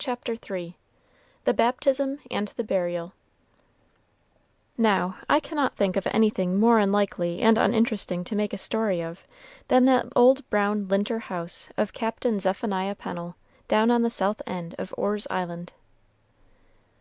CHAPTER III THE BAPTISM AND THE BURIAL Now, I cannot think of anything more unlikely and uninteresting to make a story of than that old brown "linter" house of Captain Zephaniah Pennel, down on the south end of Orr's Island.